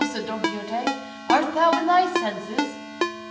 said Don Quixote; "art thou in thy senses?"